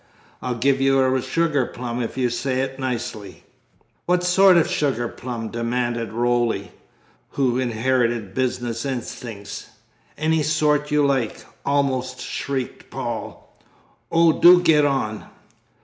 I'll give you a sugar plum if you say it nicely." "What sort of sugar plum?" demanded Roly, who inherited business instincts. "Any sort you like best!" almost shrieked Paul; "oh, do get on!"